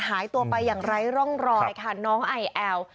หายตัวไปอย่างไร้ร่องรอยค่ะน้องไอแอล